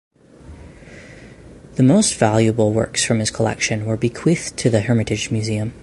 The most valuable works from his collection were bequeathed to the Hermitage Museum.